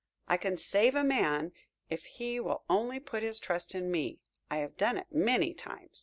I can save a man if he will only put his trust in me. I have done it many a time."